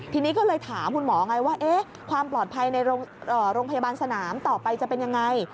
ทีนี้ก็เลยถามคุณหมอไงว่าความปลอดภัยในโรงพยาบาลสนามต่อไปจะเป็นยังไง